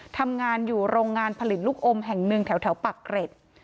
ทำงานอยู่โรงงานผลิตลูกอมแห่งหนึ่งแถวปากเกร็ด